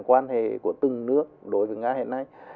quan hệ của từng nước đối với nga hiện nay